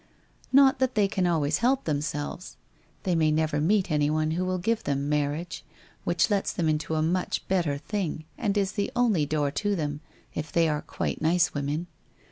Xot that they can always help themselves! They may never meet anyone who will give them Mar riage, which lets them into a much better thing and is the only door to it if they are quite nice women.